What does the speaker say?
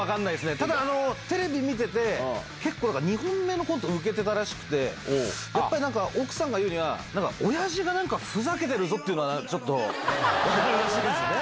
ただ、テレビ見てて、結構、２本目のコントウケてたらしくて、やっぱりなんか奥さんが言うには、なんか、おやじがなんかふざけてるぞっていうのはちょっと分かったらしいんですね。